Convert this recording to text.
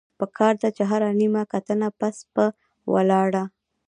پکار ده چې هره نيمه ګنټه پس پۀ ولاړه